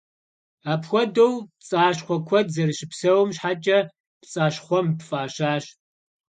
Апхуэдэу пцӏащхъуэ куэд зэрыщыпсэум щхьэкӏэ «Пцӏащхъуэмб» фӏащащ.